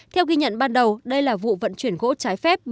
theo ghi nhận ban đầu đây là vụ vận chuyển gỗ trái phép